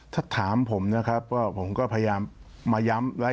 ถ้าถามผมนะครับว่าผมก็พยายามมาย้ำไว้